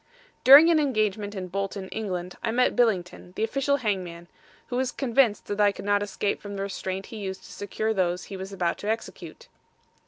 During an engagement in Bolton, Eng., I met Billington, the official hangman, who was convinced that I could not escape from the restraint he used to secure those he was about to execute.